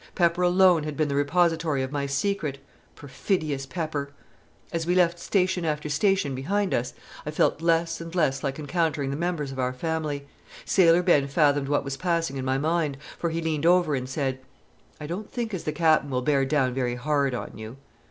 Pepper alone had been the repository of my secret perfidious Pepper! As we left station after station behind us, I felt less and less like encountering the members of our family. Sailor Ben fathomed what was passing in my mind, for he leaned over and said: "I don't think as the Capen will bear down very hard on you."